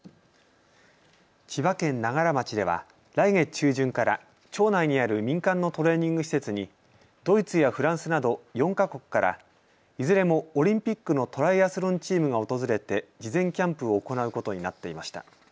千葉県長柄町では来月中旬から町内にある民間のトレーニング施設にドイツやフランスなど４か国からいずれもオリンピックのトライアスロンチームが訪れて事前キャンプを行うことになっていました。